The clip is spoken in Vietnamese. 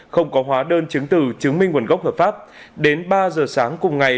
không có hóa đơn chứng từ chứng minh nguồn gốc hợp pháp đến ba giờ sáng cùng ngày